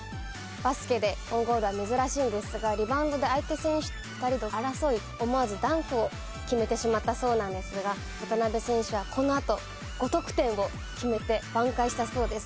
バスケでオウンゴールは珍しいんですがリバウンドで相手選手２人と争い思わずダンクを決めてしまったそうなんですが渡邊選手はこのあと５得点を決めて挽回したそうです。